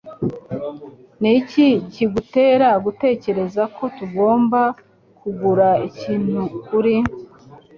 Niki kigutera gutekereza ko tugomba kugura ikintu kuri ?